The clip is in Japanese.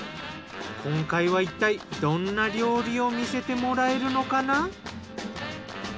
今回はいったいどんな料理を見せてもらえるのかな？